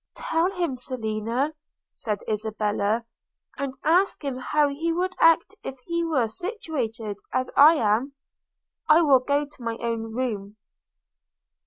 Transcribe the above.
'Tell him, Selina,' said Isabella, 'and ask him how he would act if he were situated as I am? – I will go to my own room.'